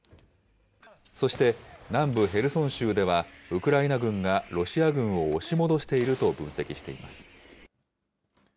そして南部ヘルソン州では、ウクライナ軍がロシア軍を押し戻していると分析しています。